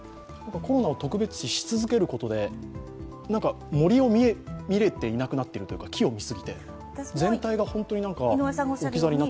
コロナを特別視し続けることで、森を見れていれなくなっているというか、木を見すぎて、全体が本当に置き去りになっていると思います。